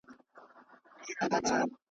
په الاهو راغلی خوبه خو چي نه تېرېدای .